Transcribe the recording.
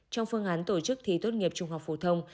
trong phương án tổ chức thi tốt nghiệp trung học phổ thông